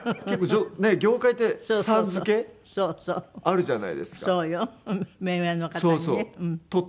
結構業界って「さん」付けあるじゃないですか。